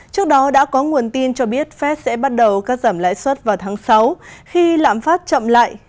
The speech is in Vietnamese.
trước đó đã có nguồn tin cho biết fed sẽ bắt đầu cắt giảm lãi suất vào tháng sáu khi lạm phát chậm lại